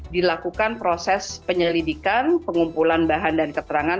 dilakukan proses penyelidikan pengumpulan bahan dan keterangan